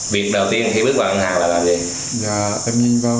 việc đầu tiên khi bước vào ngân hàng là làm gì